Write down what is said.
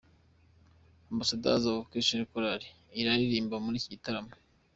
Ambassadors of Christ choir iraririmba muri iki gitaramo.